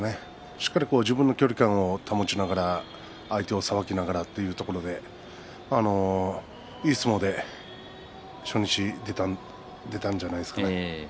しっかり自分の距離感を保ちながら相手をさばきながらというところで、いい相撲で初日が出たんじゃないですかね。